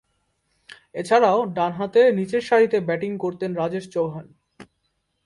এছাড়াও, ডানহাতে নিচেরসারিতে ব্যাটিং করতেন রাজেশ চৌহান।